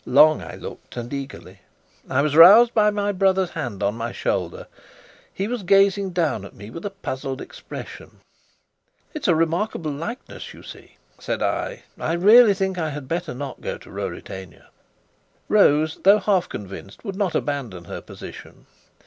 Long I looked and eagerly. I was roused by my brother's hand on my shoulder. He was gazing down at me with a puzzled expression. "It's a remarkable likeness, you see," said I. "I really think I had better not go to Ruritania." Rose, though half convinced, would not abandon her position.